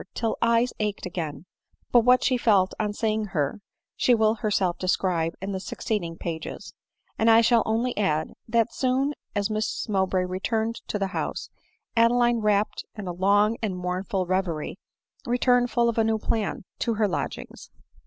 till her eyes ached again ; but what she felt on seeing her she will herself describe in the suc ceeding pages ; and T shall only add, that as soon as Mrs Mowbray returned into the house, Adeline, wrapped in a ADELINE MOWBRAY. 967 long and mournful reverie, returned full of a new plan, to her lodgings.